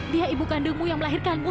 dia ibu kandungmu yang melahirkanmu